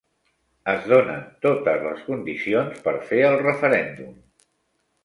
Es donen totes les condicions per fer el referèndum.